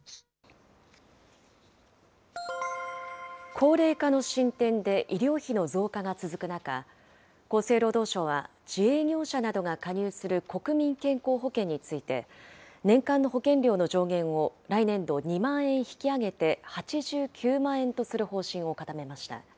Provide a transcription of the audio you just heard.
高齢化の進展で医療費の増加が続く中、厚生労働省は、自営業者などが加入する国民健康保険について、年間の保険料の上限を来年度２万円引き上げて８９万円とする方針を固めました。